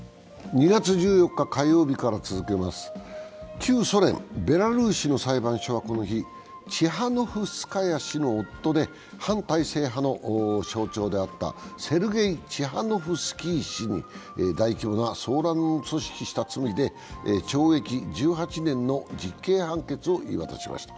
旧ソ連・ベラルーシの裁判所はこの日、チハノフスカヤ氏の夫で反体制派の象徴であったセルゲイ・チハノフスキー氏に大規模な騒乱を組織した罪で懲役１８年の実刑判決を言い渡しました。